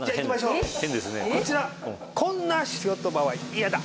こちら「こんな仕事場はイヤだ‼」。